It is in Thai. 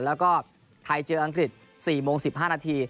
แล้วก็ไทยเจออังกฤษ๔โมง๑๕นาที